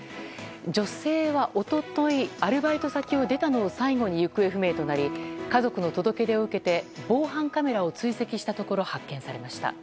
女性は一昨日アルバイト先を出たのを最後に行方不明となり家族の届け出を受けて防犯カメラを追跡したところ発見されました。